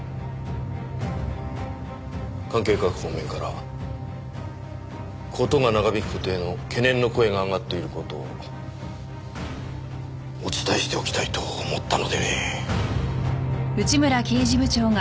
関係各方面から事が長引く事への懸念の声が上がっている事をお伝えしておきたいと思ったのでね。